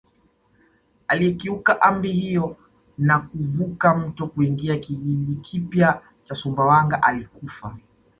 Aliyekiuka amri hiyo na kuvuka mto kuingia kijiji kipya cha Sumbawanga alikufa